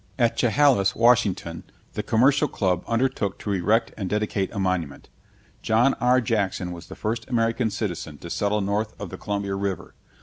At Chehalis, Washington, the Commercial Club undertook to erect and dedicate a monument. John R. Jackson was the first American citizen to settle north of the Columbia River.